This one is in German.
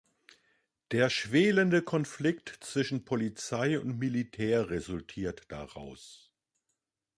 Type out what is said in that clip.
Der schwelende Konflikt zwischen Polizei und Militär resultiert daraus.